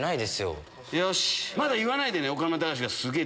まだ言わないでね。